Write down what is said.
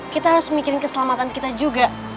kita harus mikirin keselamatan kita juga